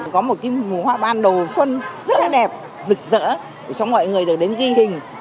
có một cái mùa hoa ban đầu xuân rất là đẹp rực rỡ để cho mọi người đều đến ghi hình